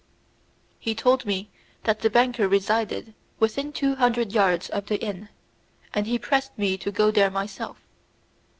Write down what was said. He told me that the banker resided within two hundred yards of the inn, and he pressed me to go there myself.